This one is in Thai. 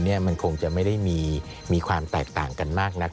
มันคงจะไม่ได้มีความแตกต่างกันมากนัก